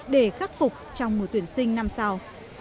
để khắc phục trong mùa tuyển sinh năm sau